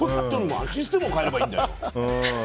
システムを変えればいいんだよ。